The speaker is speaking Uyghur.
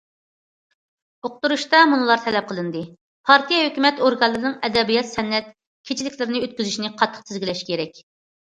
ئۇقتۇرۇشتا مۇنۇلار تەلەپ قىلىندى: پارتىيە، ھۆكۈمەت ئورگانلىرىنىڭ ئەدەبىيات- سەنئەت كېچىلىكلىرىنى ئۆتكۈزۈشىنى قاتتىق تىزگىنلەش كېرەك.